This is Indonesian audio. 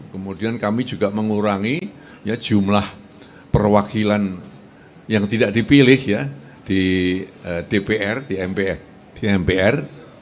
kemudian kami juga mengurangi jumlah perwakilan yang tidak dipilih ya di dpr di mpr